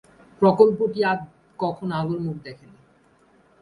প্রকল্পটি আর কখনো আলোর মুখ দেখে নি।